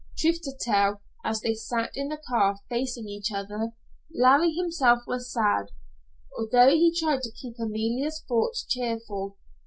Truth to tell, as they sat in the car, facing each other, Larry himself was sad, although he tried to keep Amalia's thoughts cheerful.